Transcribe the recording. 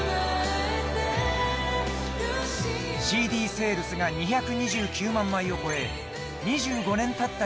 ＣＤセールスが２２９万枚を超え２５年たった